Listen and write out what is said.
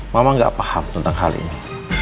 mama gak paham tentang hal ini